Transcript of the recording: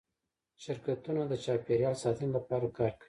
شرکتونه د چاپیریال ساتنې لپاره کار کوي؟